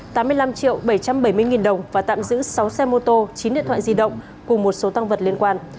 tám mươi năm triệu bảy trăm bảy mươi nghìn đồng và tạm giữ sáu xe mô tô chín điện thoại di động cùng một số tăng vật liên quan